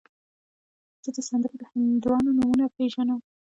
زه د سندرو د هنرمندانو نومونه پیژنم.